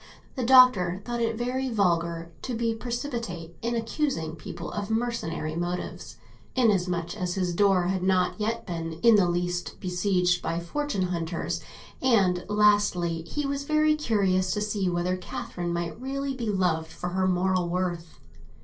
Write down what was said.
The Doctor thought it very vulgar to be precipitate in accusing people of mercenary motives, inasmuch as his door had as yet not been in the least besieged by fortune hunters; and, lastly, he was very curious to see whether Catherine might really be loved for her moral worth.